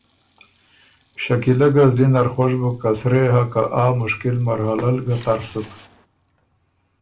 شکیلۀ ګۀ زلی نر خوش بُک که سرۀ يې هۀ که آ مشکل مرحلۀ ل ګۀ تر سُک